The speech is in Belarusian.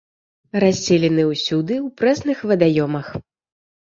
Расселены ўсюды ў прэсных вадаёмах.